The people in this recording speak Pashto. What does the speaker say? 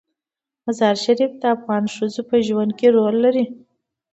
مزارشریف د افغان ښځو په ژوند کې رول لري.